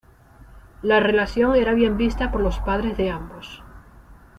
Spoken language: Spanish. La relación era bien vista por los padres de ambos.